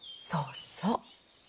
そうそう。